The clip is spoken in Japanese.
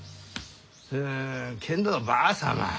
んけんどばあ様